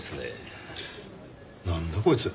なんだこいつ。